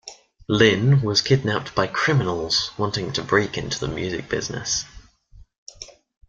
Lynn was kidnapped by criminals wanting to break into the music business.